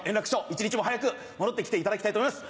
一日も早く戻って来ていただきたいと思います。